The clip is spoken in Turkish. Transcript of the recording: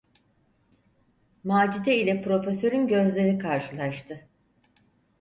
Macide ile Profesör’ün gözleri karşılaştı.